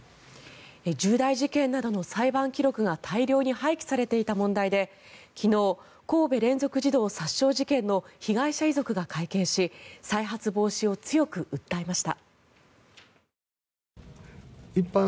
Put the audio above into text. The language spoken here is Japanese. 重大事件などの裁判記録が大量に廃棄されていた問題で昨日、神戸連続児童殺傷事件の被害者遺族が会見し再発防止を強く訴えました。